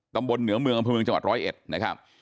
ตำบลเหนือเมืองอำเภอเมืองจังหวัดร้อยเอ็ดนะครับ